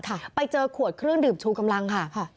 ค่ะไปเจอขวดเครื่องดื่มชูกำลังค่ะค่ะ